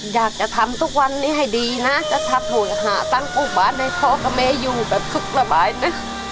อยากจะทำทุกวันนี้ให้ดีนะจะทำหาตังค์ลูกบาทให้พ่อกับแม่อยู่แบบสุขระบายนะ